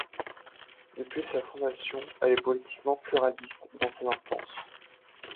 Depuis sa fondation, elle est politiquement pluraliste dans ses instances.